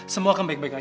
semua akan baik baik aja